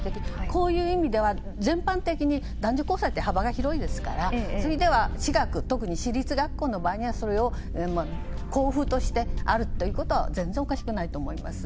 こういう意味では全般的に男女交際って幅が広いですから特に私立学校の時にはそれを校風としてあるということは全然おかしくないと思います。